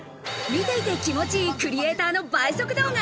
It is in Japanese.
見ていて気持ち良いクリエイターの倍速動画。